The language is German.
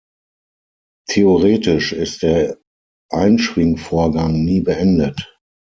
Theoretisch ist der Einschwingvorgang nie beendet.